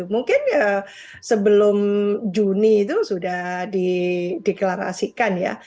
mungkin sebelum juni itu sudah di deklarasikan ya